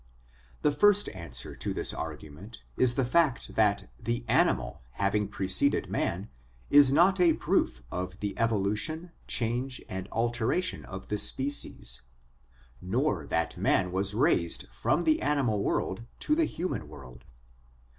The first answer to this argument is the fact that the animal having preceded man is not a proof of the evolution, change, and alteration of the species, nor that man was raised from the animal world to the human world.